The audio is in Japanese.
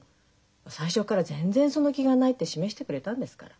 最初から全然その気がないって示してくれたんですから。